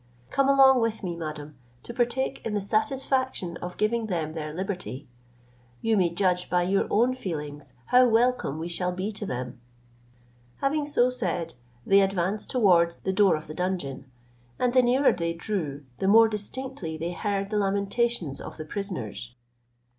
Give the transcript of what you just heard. Come along with me, madam, to partake in the satisfaction of giving them their liberty. You may judge by your own feelings how welcome we shall be to them." Having so said, they advanced towards the door of the dungeon, and the nearer they drew, the more distinctly they heard the lamentations of the prisoners.